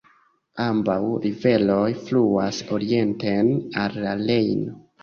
Ambaŭ riveroj fluas orienten al la Rejno.